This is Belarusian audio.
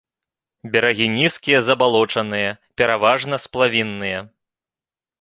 Берагі нізкія, забалочаныя, пераважна сплавінныя.